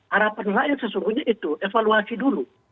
harapan rakyat sesungguhnya itu evaluasi dulu